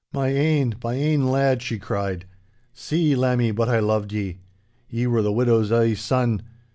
'My ain, my ain lad!' she cried. 'See, lammie, but I loved ye. Ye were the widow's ae son.